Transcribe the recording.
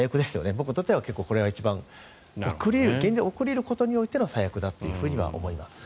僕にとってはこれが一番現状、起こり得ることでの最悪だとは思います。